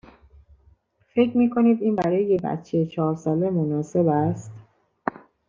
فکر می کنید این برای یک بچه چهار ساله مناسب است؟